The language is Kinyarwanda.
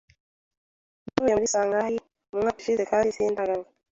Navuye muri Shanghai umwaka ushize kandi sindagaruka.